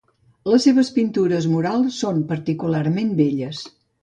Les seves pintures murals són particularment belles.